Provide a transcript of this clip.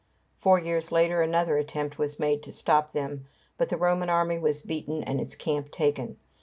Four years later another attempt was made to stop them, but the Roman army was beaten and its camp taken.